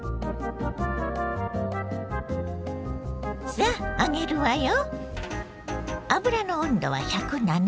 さあ揚げるわよ。